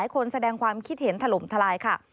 คนแสดงความคิดเห็นถล่มทลายค่ะ